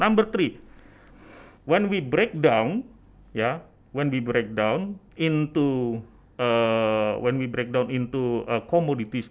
nomor tiga ketika kita mengembangkan ke komoditas